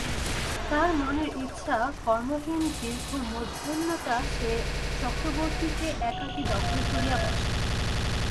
তাহার মনের ইচ্ছা, কর্মহীন দীর্ঘমধ্যাহ্নটা সে চক্রবর্তীকে একাকী দখল করিয়া বসে।